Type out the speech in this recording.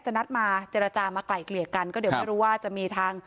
นัดมาเจรจามาไกล่เกลี่ยกันก็เดี๋ยวไม่รู้ว่าจะมีทาง